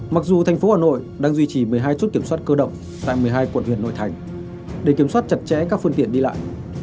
mặc dù thành phố hà nội đang duy trì một mươi hai chốt kiểm soát cơ động tại một mươi hai quận huyện nội thành để kiểm soát chặt chẽ các phương tiện đi lại